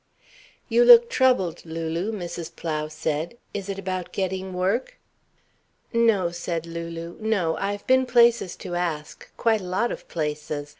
"You look troubled, Lulu," Mrs. Plow said. "Is it about getting work?" "No," said Lulu, "no. I've been places to ask quite a lot of places.